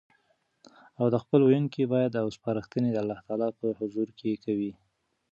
او د خپل ويلوونکي ياد او سپارښتنه د الله تعالی په حضور کي کوي